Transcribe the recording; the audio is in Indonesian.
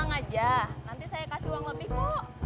langsung aja nanti saya kasih uang lebih kok